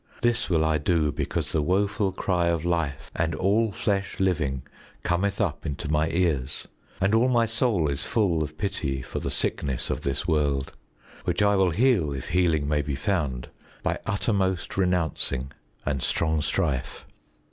This will I do because the woeful cry Of life and all flesh living cometh up Into my ears, and all my soul is full Of pity for the sickness of this world: Which I will heal, if healing may be found By uttermost renouncing and strong strife.